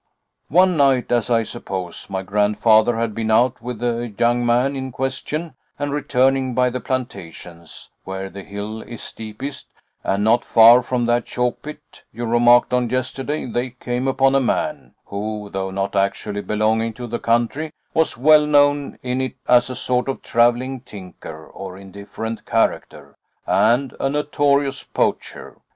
"One night, as I suppose, my grandfather had been out with the young man in question, and, returning by the plantations, where the hill is steepest, and not far from that chalk pit you remarked on yesterday, they came upon a man, who, though not actually belonging to the country, was well known in it as a sort of travelling tinker of indifferent character, and a notorious poacher.